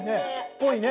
ぽいね！